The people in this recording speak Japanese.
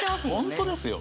本当ですよ。